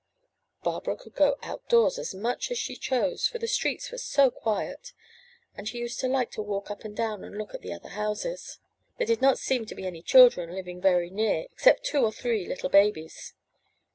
Barbara could go out doors as much as she chose, for the streets were so quiet; and she used to like to walk up and down and look at the other houses. There did not seem to be any children living very near except two or three little babies.